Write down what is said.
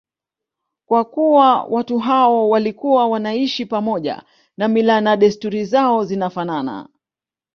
Kwa kuwa watu hao walikuwa wanaishi pamoja na mila na desturi zao zinafanana